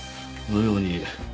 このように。